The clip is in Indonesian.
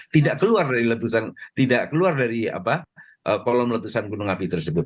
tidak keluar dari letusan tidak keluar dari kolom letusan gunung api tersebut